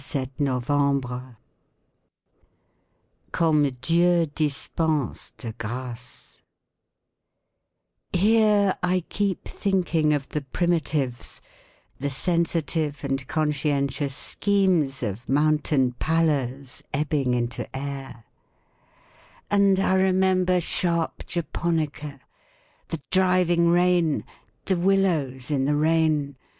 (7 novembre) Comme Dieu Dispense de Graces Here I keep thinking of the Primitives— The sensitive and conscientious schemes Of mountain pallors ebbing into air; And I remember sharp Japonica— The driving rain, the willows in the rain.